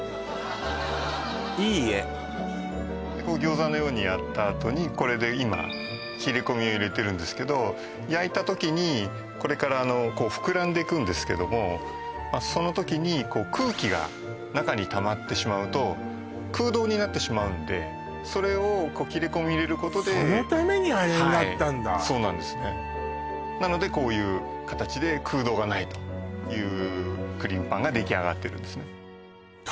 いい画餃子のようにやったあとにこれで今切れ込みを入れてるんですけど焼いた時にこれから膨らんでいくんですけどもその時に空気が中にたまってしまうと空洞になってしまうんでそれを切れ込み入れることでそのためにあれになったんだはいそうなんですねなのでこういう形で空洞がないというクリームパンができあがってるんですね